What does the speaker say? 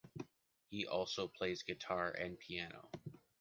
He also plays guitar and piano.